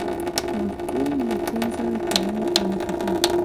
مفعول د فعل سره تړلې اړیکه ښيي.